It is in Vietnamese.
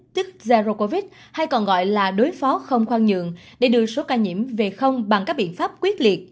tức zharo covid hay còn gọi là đối phó không khoan nhượng để đưa số ca nhiễm về không bằng các biện pháp quyết liệt